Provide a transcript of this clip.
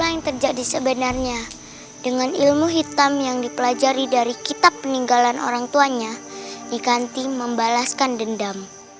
yang terjadi sebenarnya dengan ilmu hitam yang dipelajari dari kitab peninggalan orang tuanya ikanti membalaskan dendam